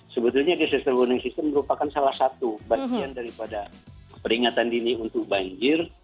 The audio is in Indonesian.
sebetulnya desisted warning system merupakan salah satu bagian daripada peringatan dini untuk banjir